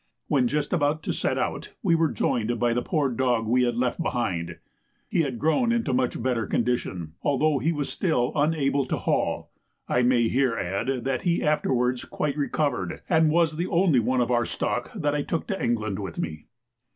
When just about to set out, we were joined by the poor dog we had left behind. He had grown into much better condition, although he was still unable to haul. I may here add that he afterwards quite recovered, and was the only one of our stock that I took to England with me.